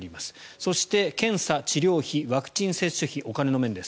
そして、検査、治療費ワクチン接種費お金の面です。